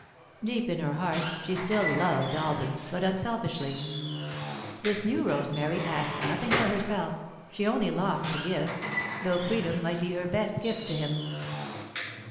Deep in her heart she still loved Alden, but unselfishly. This new Rosemary asked nothing for herself, she only longed to give, though freedom might be her best gift to him.